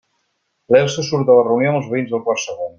L'Elsa surt de la reunió amb els veïns del quart segona.